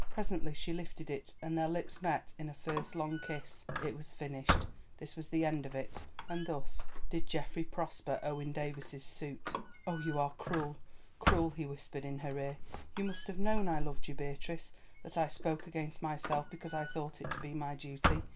Presently she lifted it and their lips met in a first long kiss. It was finished; this was the end of it—and thus did Geoffrey prosper Owen Davies's suit. "Oh, you are cruel, cruel!" he whispered in her ear. "You must have known I loved you, Beatrice, that I spoke against myself because I thought it to be my duty.